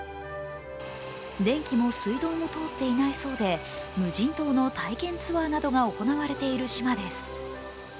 電気も水道も通っていないそうで無人島の体験ツアーなどが行われている島です。